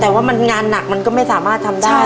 แต่ว่ามันงานหนักมันก็ไม่สามารถทำได้